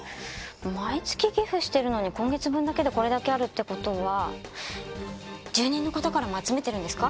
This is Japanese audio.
毎月寄付してるのに今月分だけでこれだけあるって事は住人の方からも集めてるんですか？